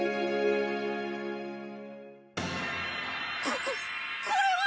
こここれは！